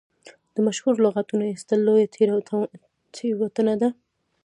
د مشهورو لغتونو ایستل لویه تېروتنه ده.